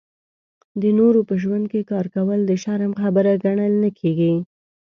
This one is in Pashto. د نورو په ژوند کې کار کول د شرم خبره ګڼل نه کېږي.